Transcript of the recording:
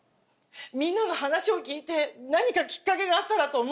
みんなの話を聞いて何かキッカケがあったらと思った。